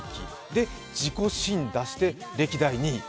で、自己新出して、歴代２位。